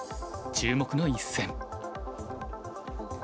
注目の一戦。